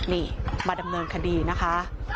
นี่มาดำเนินคดีนะคะ